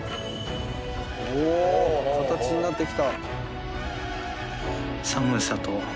お形になってきた。